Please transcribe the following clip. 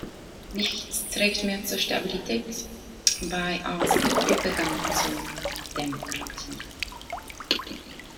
Nichts trägt mehr zu Stabilität bei als der Übergang zu Demokratie.